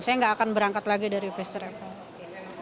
saya nggak akan berangkat lagi dari first travel